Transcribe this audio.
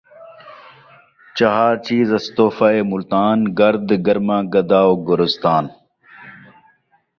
چہار چیز است تحفہء ملتان ، گرد ، گرما، گدا و گورستان